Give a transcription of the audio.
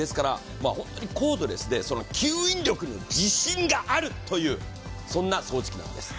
コードレスで吸引力に自信があるというそんな掃除機なんです。